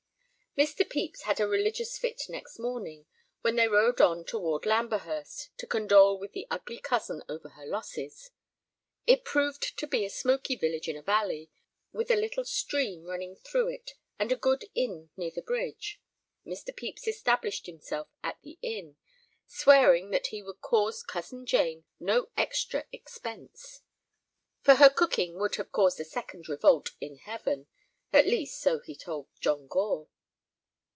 Mr. Pepys had a religious fit next morning when they rode on toward Lamberhurst to condole with the ugly cousin over her losses. It proved to be a smoky village in a valley, with a little stream running through it and a good inn near the bridge. Mr. Pepys established himself at the inn, swearing that he would cause Cousin Jane no extra expense; for her cooking would have caused a second revolt in heaven—at least, so he told John Gore.